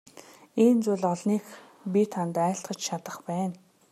Ийм зүйл олныг би танд айлтгаж чадах байна.